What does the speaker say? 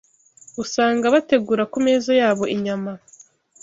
usanga bategura ku meza yabo inyama